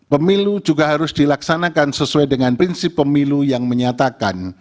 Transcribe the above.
pemilu juga harus dilaksanakan sesuai dengan prinsip pemilu yang menyatakan